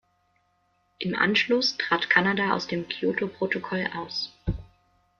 Im Anschluss trat Kanada aus dem Kyōto-Protokoll aus.